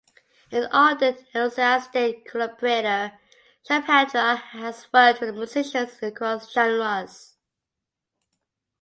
An ardent and enthusiastic collaborator, Shubhendra has worked with musicians across genres.